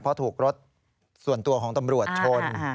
เพราะถูกรถส่วนตัวของตำรวจชน